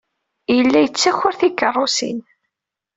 Yella yettaker tikeṛṛusin.